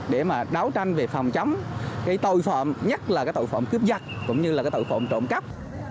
để đấu tranh về phòng chấm tội phạm nhất là tội phạm cướp giặc tội phạm trộm cắp